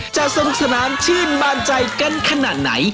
จะสงสนามชีนบานใจกันขนาดไหน